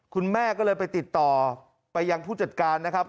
คุณแม่ก็เลยไปติดต่อไปยังผู้จัดการนะครับ